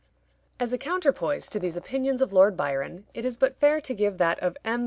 As a counterpoise to these opinions of Lord Byron, it is but fair to give that of M.